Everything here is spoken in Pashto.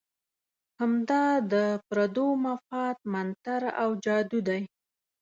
همدا د پردو مفاد منتر او جادو دی.